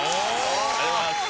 ありがとうございます。